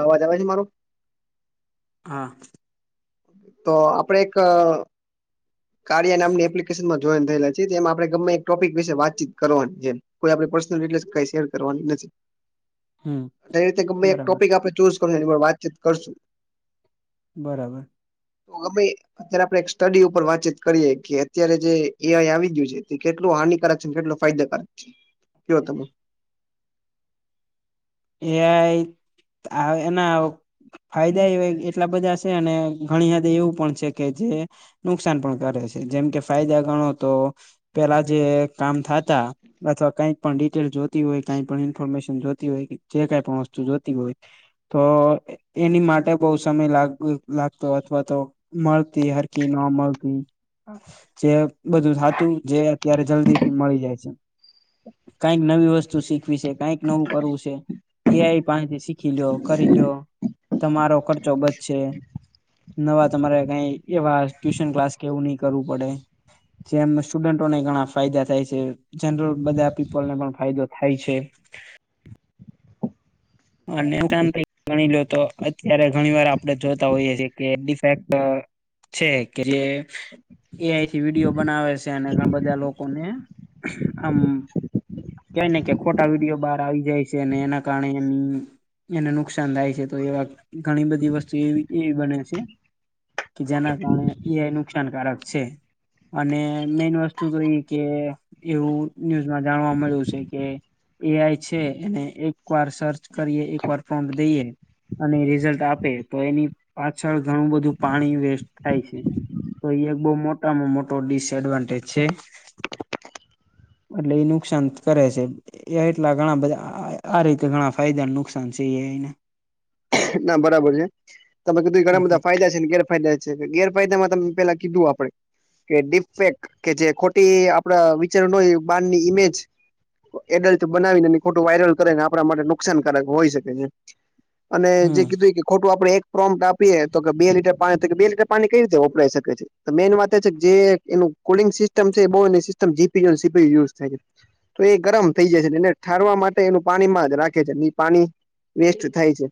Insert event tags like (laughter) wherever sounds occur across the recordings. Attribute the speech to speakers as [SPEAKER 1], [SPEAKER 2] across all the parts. [SPEAKER 1] અવાજ આવે છે મારો?
[SPEAKER 2] હા.
[SPEAKER 1] તો આપડે એક આ કાર્ય નામની એપ્લિકેશનમાં જોઈન થયેલા છે જેમાં આપણે ગમે એક ટોપિક વિશે વાતચીત કરવાની જેમ. કોઈ આપણે પર્સનલ ડિટેલ્સ કઈ શેર કરવાની નથી.
[SPEAKER 2] (inaudible)
[SPEAKER 1] એ રીતે એક
[SPEAKER 2] બરાબર
[SPEAKER 1] ટોપિક આપડે ચૂઝ કરું એની પર વાતચીત કરશું.
[SPEAKER 2] બરાબર.
[SPEAKER 1] તો કે ભાઈ. અત્યારે આપડે એક સ્ટડી ઉપર વાતચીત કરીએ કે અત્યારે જે એઆઈ આવી ગયું છે તે કેટલું હાનિકારક છેન કેટલું ફાયદાકારક છે. કવો તમે.
[SPEAKER 2] એ આઈ આ ફાયદા એવા એટલા બધા છે અને ઘણી હદ એવું પણ છે કે જે નુકસાન પણ કરે છે જેમ કે ફાયદા ગણો તો પેલા જે કામ થતા અથવા કઈ પણ ડિટેલ જોતી હોય કઈ પણ ઇન્ફોર્મેશન જોતી હોય કે જે કઈ પણ વસ્તુ જોતી હોય. તો એની માટે બહુ સમય લ લાગતો અથવા તો મળરતી હરકી ન મળતી. જે બધું થાતું જે અત્યારે જલ્દી થી મળી જાય છે. કઈક નવી વસ્તુ શીખવી છે કઈક નવું કરવું છે એઆઈ પાણીથી શીખી લો્યો કરી લો્યો તમારો ખર્ચો બચે. નવા તમારે કઈ એવા ટ્યુશન ક્લાસ કેવું નહી કરવું પડે. જેમ સ્ટુડન્ટોને ઘણા ફાયદા થાય છે જનરલ બધા પીપલને પણ ફાયદો થાય છે. (inaudible) અને કામ ગણી લો તો અત્યારે ઘણી વાર આપડણે જોતા હોઈએીએ ડીફેક્ટ છે કે જે એ અથી વિડીયો બનાવે છે અને ઘણા બધા લોકોને આમ છે ને કે ખોટા વિડીયો બહાર આવી જાય છે ને એના કારણે એ એને નુકસાન થાય છે તો એવા ઘણી બધી વસ્તુ એવી એવી બને છે. કે જેના કારણે એ નુકસાનકારક છે. અને મેન વસ્તુ તો એઈ કે એવું ન્યૂઝમાં જાણવા મળ્યું છે કે એ આઈ છે એને એક વાર સર્ચ કરીએ એક વાર ફોન્ટ દઈએ અને રિઝલ્ટ આપે તો એની પાછળ ઘણું બધું પાણી વેસ્ટ થાય છે. તો એ એક બહુ મોટામાં મોટો ડિસએડવાન્ટેજ છે. એટલે એ નુકસાન કરે છે. એ એટલા ઘણા બધા આરે ઘણા ફાયદા નુકસાન છે એ એના.
[SPEAKER 1] ના બરાબર છે તમે કીધું
[SPEAKER 2] હમ
[SPEAKER 1] ઘણા
[SPEAKER 2] હમ
[SPEAKER 1] બધા ફાયદા છે ને કે ઘેરફાયદા છે ગેરફાયદામાં તમે પેલા કીધું આપડે કે ડીપેક કે જે ખોટી આપડા વિચાર બારની ઈમેજ એડલ્ટ બનાવીને એ ફોટો વાયરલ કરેને આપણા માટે નુકસાનકારક હોય શકે છે. અને જે
[SPEAKER 2] હમ
[SPEAKER 1] કીધું કે ખોટું આપણે એક પ્રોમ્ટ આપીએ તો કે બે લીટર પાણી તો કે બે લીટર પાણી કઈ રીતે વપરાય શકે છે તો મેન વાત એ છે કે જે એનું કોડિંગ સિસ્ટમ છે બ સિસ્ટમ જીપીયુ સીપીયુ છે. તો એ ગરમ થઈ જાય છેને એને ઠારવા માટે એનું પાણીમાં જ રાખે છે પાણી વેસ્ટ થાય છે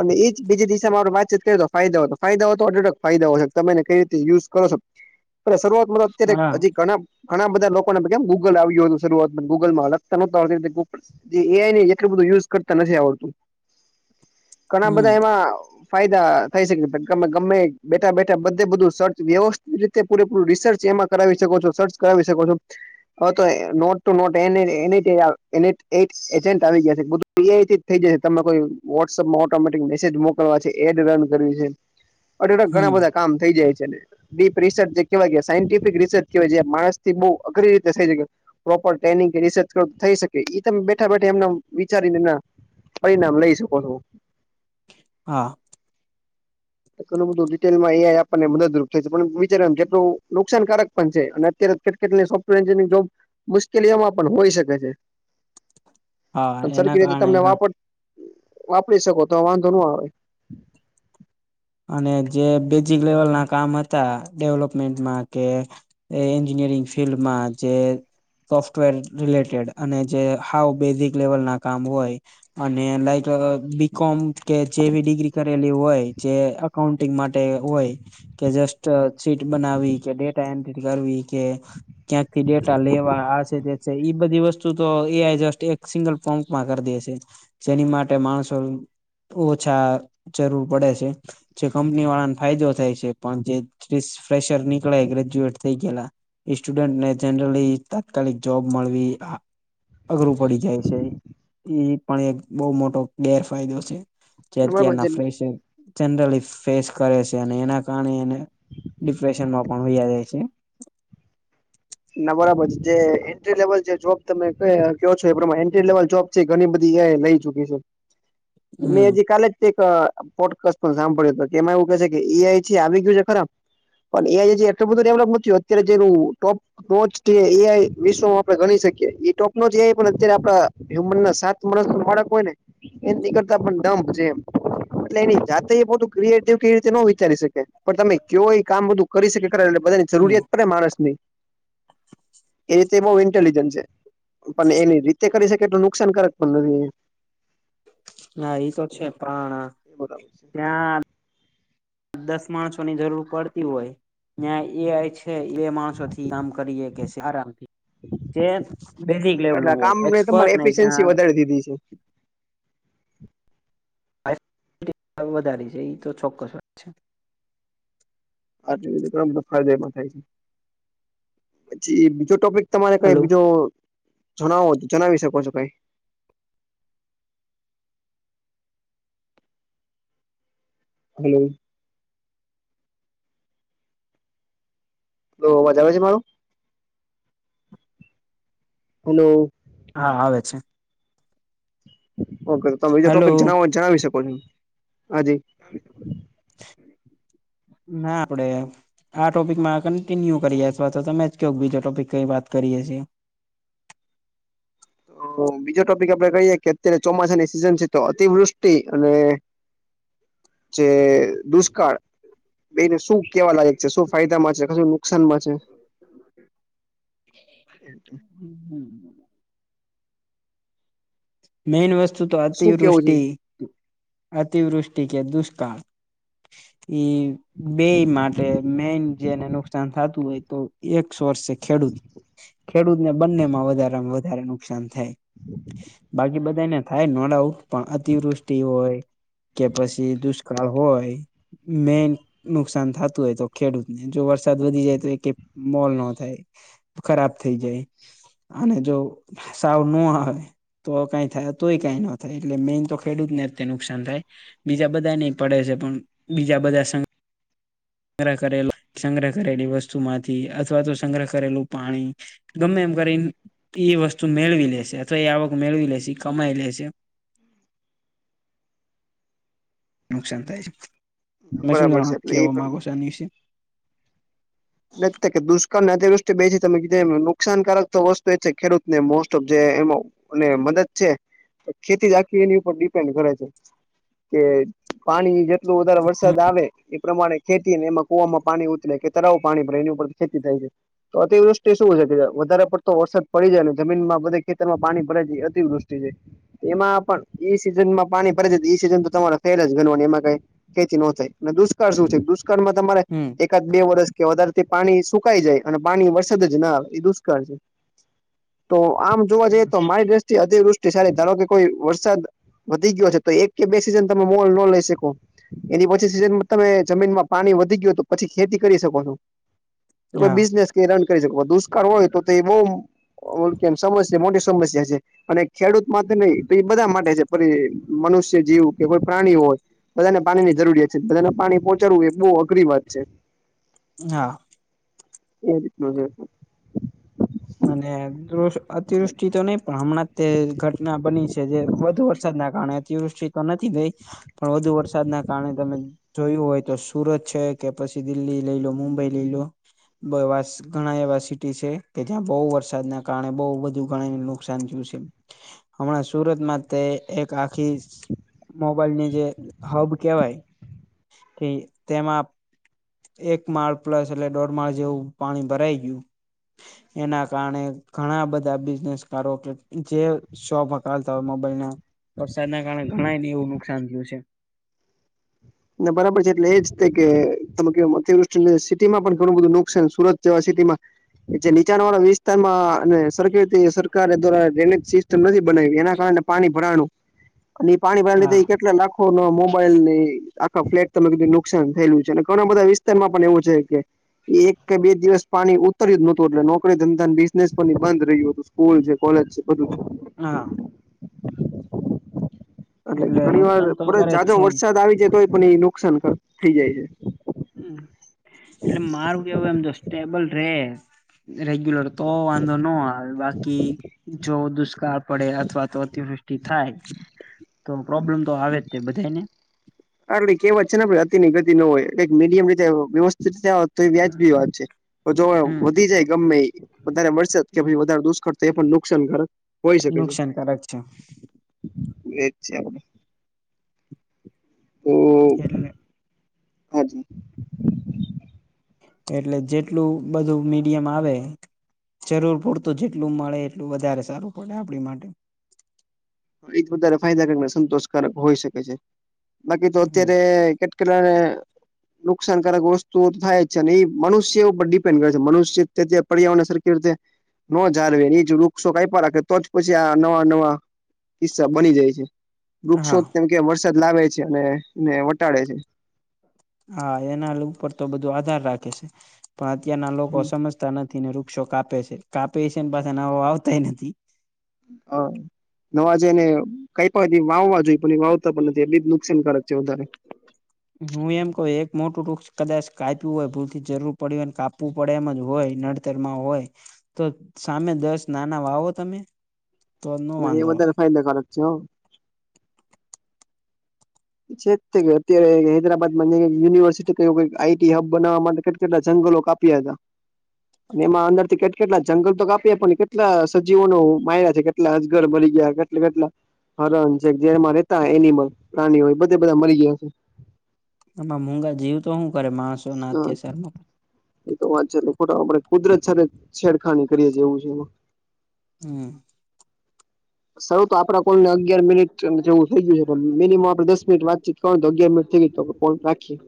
[SPEAKER 1] અને એજ બીજી દિશામાં આપ વાતચીત કરી દો ફાયદા તો ફાયદા હો તો અઢડક ફાયદા હોય છે તમેને કઈ રીતે યુઝ કરો શરૂઆત અત્યારે
[SPEAKER 2] હા
[SPEAKER 1] હજી ઘણા ઘણા બધા લોકોને કેમ ગૂગલ આવ્યું હતું શરૂઆતમાં ગૂગલમાં લગતા નહો એ એ આઈ એટલ બધું યુઝ કરતા નથી આવડતું. ઘણા
[SPEAKER 2] હમ
[SPEAKER 1] બધા એમાં ફાયદા થઈ શકે તમ ગમે ગમેએ બેઠા બેઠા બધે બધું સર્ચ વ્યવસ્થિત રીત તે પૂરેપૂરુ રિસર્ચ એમાં કરાવી શકો છો સર્ચ કરાવી શકો છો હ તો એ નોટ ટુ નોટ એને એનિટે આવ એનીટ એઇટ એજન્ટ આવી ગયા છે બધું એ થઈ જશે તમે કોઈ વોટ્સઅપ માં ઓટોમેટિક મેસેજ મોકલવા છે એડ રન કરવી છે ઘણા
[SPEAKER 2] હમ
[SPEAKER 1] બધા કામ થઈ જાય છે ને. ડીપ રિસર્ચ જે કેવાય સાયન્ટિફિક રિસર્ચ કવાય જે માણસ થી બહ અઘરી રીતે થઈ શકે. પ્રોપર ટ્રેનિંગ કે રિસર્ચ કર થઈ શકે તમે બેઠા બેઠા એમ વિચારીને પરિણામ લઈ શકો છો.
[SPEAKER 2] હા.
[SPEAKER 1] ઘણું બધું રિટેલમાં એઆઈ આપણને મદદરૂપ થાય છે પણ વિચારવાન જેટલું નુકસાનકારક પણ છે અને અત્યારે તે કેટલી સોફ્ટવેર એન્જિનિઈગ જોબ મુશ્કેલીઓમાં પણ હોઈ શકે છે.
[SPEAKER 2] (inaudible) હા એના
[SPEAKER 1] સરખી રીતે
[SPEAKER 2] કારણે
[SPEAKER 1] તમને વાપર વાપરી શકો તો વાંધો ન આવે.
[SPEAKER 2] અને જે બેઝિક લેવલ ના કામ હતા ડેવલપમેન્ટમાં કે એ એન્જિનિયરિંગ ફિલ્ડમાં જે સોફ્ટવેર રિલેટેડ અને જે હાવ બેઝિક લેવલ ના કામ હોય અને લાઈક અગ બીકોમ કે જે બી ડિગ્રી કરેલી હોય જે અકાઉન્ટિંગ માટે હોય કે જસ્ટ ચ સીટ બનાવી કે ડેટા એન્ટ્રી કરવી કે ક્યાંક થી ડેટા લેવા આ છે તે છે ઈ બધી વસ્તુ તો એ આઈ જસ્ટ એક સિંગલ પંપમાં કરી દે છે જેની માટે માણસો ઓછા જરૂર પડે છે જે કંપની વાળાન ફાયદો થાય છે પણ જે જિસ ફેશર નીકળે ગ્રેજ્યુએટ થઈ ગેલા ઈ સ્ટુડન્ટને જનરલી તાત્કાલિક જોબ મળવી આ અઘરું પડી જાય છે ઈ પણ એક બહું મોટો ગેરફાયદો છે. જેટ
[SPEAKER 1] બરાબર છે
[SPEAKER 2] કેરના ફ્રેશે જનરલી ફેસ કરે છે અને એના કારણે એને ડિપ્રેશનમાં પણ વયા જાય છે.
[SPEAKER 1] ના બરાબર છે જે એન્ટ્રી લેવલ જે જોબ તમે કેહ કહો છો એ પ્રમા એન્ટ્રી લેવલ જોબ જે ઘની બધી એઆઈ લઈ ચુકી છે મે હજી
[SPEAKER 2] હમ
[SPEAKER 1] કાલે જ એક આમ પોટ કસ સાંભળ્યું હતો એમાં એવું કે છે કે એઆઈથી આવી ગયું છે ખરા. પન એએઆઈથી એટલું બધું ડેવલોપ નથ થ્યું અત્યારે જેટલું ટોપ પહોંચથી એઆઈ વિશ્વમાં આપડે ગણી શકીએ એ ટોપનો જે પણ અત્યારે આપડા હ્યુમન ના સાત માણસ ન બાળક હોય ને એની કરતા પણ ડંપ જેમ એટલે એની જાતે એ બધું ક્રિએટિવ કે એવી રીતે ન વિચારી શકે. પણ તમે કયો ઈ કામ બધું કરી શકે ખરા એટલે બધાની જરૂરિયાત પડે માણસ ની. એ રીતે બહું ઇન્ટેલિજન્ટ છે પન એની રીતે કરી શકે એટલુ નુકસાનકારક પન નથી.
[SPEAKER 2] ના ઈ તો છે પણ
[SPEAKER 1] બરાબર છે
[SPEAKER 2] ત્યાં દસ માણસોની જરૂર પડતી હોય ન્યા એઆઈ છ થે એઆઈ માણસો થી કામ કરીએ કેસે આરામથી જે બેઝિક લેવલ નું હોય એક્સપર્ટ ને
[SPEAKER 1] સિન્સી
[SPEAKER 2] જ્યાં
[SPEAKER 1] વધારી દીધી છે.
[SPEAKER 2] વધારી છે ઈ તો ચોક્કસ વાત છે.
[SPEAKER 1] આટલા બધામ પણ ફાયદાએ પણ થાય છે પછી બીજો ટોપિક તમારે કઈ
[SPEAKER 2] હલો
[SPEAKER 1] બીજું જણાવો તો જણાવી શકો છો કઈ. હલો. તો અવાજ આવે છે મારો હલો.
[SPEAKER 2] હા આવે છે.
[SPEAKER 1] ઓકે તો તમે બીજ
[SPEAKER 2] હલો
[SPEAKER 1] ટોપિક જણાવ તો જણાવી શકો છો હજી
[SPEAKER 2] ના આપડે આ ટોપિકમાં કન્ટિન્યુ કરીએ અથવા તો તમે જ કયો બીજો ટોપિક કઈ વાત કરીએ છીએ.
[SPEAKER 1] અ બીજો ટોપિક આપડે કહીએ કે અત્યારે ચોમાસાની સિઝન છે તો અતિવૃષ્ટિ અને
[SPEAKER 2] (inaudible)
[SPEAKER 1] જે દુષ્કાળ એને શું કેવા લાગે છે શું ફાયદામાં છે કશું નું
[SPEAKER 2] હ હમ. મેન વસ્તુ તો
[SPEAKER 1] શું
[SPEAKER 2] અતિવૃષ્ટિ
[SPEAKER 1] કેવું
[SPEAKER 2] અતિવૃષ્ટિ કે દુષ્કાળ. ઈ બે માટે મેન જેને નુકસાન થતું હોય તો. એકસોર્સ છે ખેડૂત ખેડૂતને બંને માં વધારેમાં વધારે નુકસાન થાય.
[SPEAKER 1] હમ.
[SPEAKER 2] બાકી બધાને થાય નો ડાઉટ પણ અતિવૃષ્ટિ હોય કે પછી દુષ્ કાળ હોય મેન નુકસાન થતું હોય તો ખેડૂતને જો વરસાદ વધી જાય તો એ મોલ ન થાય. ખરાબ થઈ જાય અને જો સાવ ન હોય. તો કઈ થાય તોય કંઈ ન થાય એટલે મેઈન તો ખેડૂતને જ નુકસાન થાય. બીજા બધા નહી પડે છે પણ બીજા બધા સ સંગ્રહ કર સંગ્રહ કરેલી વસ્તુ માંથી અથવા તો સંગ્રહ કરેલું પાણી. ગમે એમ કરી એ વસ્તુ મેળવી લેશે અથવા એ આવક મેળવી લેશે કમાઈ લેશે. નુકસાન થાય છે,
[SPEAKER 1] છે
[SPEAKER 2] ત શું
[SPEAKER 1] બરાબર
[SPEAKER 2] જાણો
[SPEAKER 1] છે એટલે
[SPEAKER 2] કે
[SPEAKER 1] એ પ્રમાણે
[SPEAKER 2] માગો શ છે
[SPEAKER 1] દુષ્કાળની અતિવૃષ્ટિ બે તમે કીધ નુકસાનકારક વસ્તુ એ છે ખેડૂતને મોસ્ટફ જે એમાં અને મદદ છે ખેતી રાખી એની ઉપર ડિપેન્ડ કરે છે. કે પાણી જ કેટલો વધારે
[SPEAKER 2] હમ
[SPEAKER 1] વરસાદ આવે એ પ્રમાણે ખેતીને એમાં કુવામાં પાણી ઉતરે કે તરાવ પાણી ભરાઈ એની ઉપર ખેતી થાય છે. તો અતિવૃષ્ટિ શું છે વધારે પડતો વરસાદ પડી જાય ને જમીનમાં બધે ખેતરમાં પાણી ભરા જાય અતિવૃષ્ટિ છે. એમાં પણ ઈ સિઝનમાં પાણી ભડે છે ઈ સિઝન તો તમારે ફેલા જ ઘનવાની એમાં કઈ ખેંથી ન થાય અને દુષ્કાળ શું છે દુષ્કાળમાં તમારે
[SPEAKER 2] હમ
[SPEAKER 1] એકાદ બે વર્ષ કે વધારેથી પાણી સુકાઈ જાય અને પાણી વરસાદ જ ના એ દુષ્કાળ છે. તો આમ જોવા જઈએ તો મારી દ્રષ્ટિ અતિવૃષ્ટિ સારી ધારો કે કોઈ વરસાદ વધી ગયો છે તો એક કે બે સીઝન તમે મોલ નો લઈ શકો. એની પછી સીઝનમાં તમે જમીનમાં પાણી વધી ગયું તો પછી ખેતી કરી શકો.
[SPEAKER 2] હા
[SPEAKER 1] બિજનેસ કઇરન કરી શકો દુષ્કાળ હોય તો તે બવ ઓ કેમ સમસ્યા મોટી સમસ્યા છે. અને ખેડૂત માટે નહી તો એ બધા માટે છે પછી મનુષ્ય જીવ કે કોઈ પ્રાણી હોય. બધાને પાણી ની જરૂરિયાત છે બધાને પાણી પહોંચાડવું એ બહુ અઘરી વાત છે.
[SPEAKER 2] હા.
[SPEAKER 1] એ રીત (unintelligible)
[SPEAKER 2] અને અતિવૃષ્ટિ તો નહી પણ હમણાં તે ઘટના બની છે જે વધુ વરસાદના કારણે અતિવૃષ્ટિ તો નથી ભાઈ પણ વધુ વરસાદના કારણે તમે જોયું હોય તો. સુરત છે કે પછી દિલ્હી લઈ લો મુંબઈ લઈ લો બવા ઘણા એવા સિટી છે. કે ત્યાં બહુ વરસાદના કારણે બહુ બધુ ગણીને નુકસાન થયું છે. હમણાં સુરતમાં તે એક આખી મોબાઈલની જે હબ કેહેવાય કે તેમાં એક માળ પ્લસ એટલે દોઢ માળ જેવું પાણી ભરાઈ ગયું. એના કારણે ઘણા બધા બિઝનેસકારો કે જે શોમાં કાલતા હોય મોબાઈલ ના વરસાદ ના કારણે ઘણાને એવું નુકસાન થયું છે.
[SPEAKER 1] ના બરાબર છે એટલે એ જ થ કે તમે કે અતિવૃષ્ટિ સિટી માં પણ ઘણું બધું નુકસાન સુરત જવા સિટીમાં એ જે નીચાણ વાળા વિસ્તારમાં અને સરખી રીતે સરકાર દ્વારા (unintelligible) નથી બનાવ્યું એના કારણે પાણી ભરાનું. અને પાણી પાણી લીધે
[SPEAKER 2] હા
[SPEAKER 1] એ કેટલા લાખો નો મોબાઈલને આખા ફ્લેટ તું નુકસાન થયેલું છે અને ઘણા બધા વિસ્તારમાં પણ એવું છે કે એ એક કે બે દિવસ પાણી ઉતર્યું જ નતું એટલે નોકરી ધંધા બિઝનેસ પણ એ બંધ રહ્યું હતું. સ્કૂલ છે કોલેજ છે બધું (unintelligible) છે.
[SPEAKER 2] હા.
[SPEAKER 1] એટલે ઘણી વાર
[SPEAKER 2] નુકસાન તો
[SPEAKER 1] પ
[SPEAKER 2] કરે જ
[SPEAKER 1] જાજો
[SPEAKER 2] છે
[SPEAKER 1] વરસાદ આવી જાય તો એ પણ એ નુકસાન થઇ જાય છે.
[SPEAKER 2] હમ એટલે મારું કેવું એમ તો સ્ટેબલ રે રેગ્યુલર તો વાંધો નો આવે કે જો દુષ્કાળ પડે અથવા તો અતિવૃષ્ટિ થાય. તો પ્રોબ્લેમ તો આવે જ તે બધા ને.
[SPEAKER 1] આપડી કે વાત છે ને અતિની ગતિ ન હોય મીડિમ રીતે વ્યવસ્થિત તો એ વ્યાજબી વાત છે તો જો
[SPEAKER 2] હમ
[SPEAKER 1] વધી જાય ગમે. વધારે મળશે કે પછી વધારે દુષ્કાળ તો એ પણ નુકસાન કરે.
[SPEAKER 2] નુકસાનકારક છે.
[SPEAKER 1] એજ છે આપડે.
[SPEAKER 2] એટલે?
[SPEAKER 1] હા જ.
[SPEAKER 2] એટલે જેટલું બધું મીડિયમ આવે જરૂર પૂરતું જેટલું મળે એટલું વધારે સારું પડે આપણી માટે.
[SPEAKER 1] એ જ વધારે ફાયદાકારક સંતોષકારક હોય શકે છે બાકી તો અત્યારે નુકસાનકારક વસ્તુઓ તો થાય જ છે અને એ મનુષ્ય ઉપર ડિપેન્ડ કરે છે મનુષ્ય તે પર્યાવરણ સરખી રીતે ન જાળવે એ વૃક્ષો કાપયા રાખે તો જ પછી આ નવા નવા કિસ્સા બની જાય છે વૃક્ષો
[SPEAKER 2] હા
[SPEAKER 1] કેમ કે વરસાદ લાવે છે અને એને વટાડે છે.
[SPEAKER 2] હા એના ઉપર તો બધું આધાર રાખે છે પણ અત્યારના લોકો સમજ નથી ને વૃક્ષો કાપે છે કાપે છે ને પાછા નવા વાવતાય નથી.
[SPEAKER 1] હ નવા જઈ ને કઈ પણ વાવવા જોઈએ. વાવતા પણ નથી એ બી જ નુકસાનકારક છે વધારે.
[SPEAKER 2] હું એમ કહ એક મોટું વૃક્ષ કદાચ કાપ્યું હોય ભૂલ જરૂર પડી હોયને કાપ કાપું પડે એમ જ હોય નડતરમાં હોય તો સામે દસ નાના વાવો તમે. તો ન
[SPEAKER 1] એ
[SPEAKER 2] વાંધો આવે
[SPEAKER 1] વધારે ફાયદાકારક છે. છે અત્યારે હૈદરાબાદમાં યુનિવર્સિટી ક આઈટી હબ બનાવા માટે કેટલા જંગલો કાપ્યા હતા.
[SPEAKER 2] (inaudible)
[SPEAKER 1] એમાં અંદર થી કેટ કેટલા જંગલ તો કાપીએ કેટલા સજીવો ન માર્યા છે કેટલા અજગર મરી ગયા એટલે કેટલા હરણ છે જેમાં રહેતા એનિમલ પ્રાણીઓ હોય બધે બધા મરી ગયા છે.
[SPEAKER 2] આમાં મુંગા જીવ તો શું કરે માણસ
[SPEAKER 1] હા. એ તો વાત છે ખોટા આપડે કુદરત છેડખાની કરીએ એવું છે.
[SPEAKER 2] હમ.
[SPEAKER 1] સૌ તો આપડા. અગિયાર મિનિટ અને જેવું થઈ ગયું મિમ આપડ દસ મિનિટ વાતચીત કરું તો અગિયાર મિનિટ થઈ ગયું રાખીએ.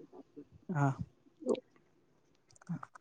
[SPEAKER 2] હા. (inaudible)